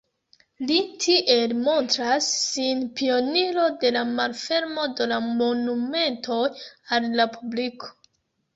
Li tiel montras sin pioniro de la malfermo de la monumentoj al la publiko.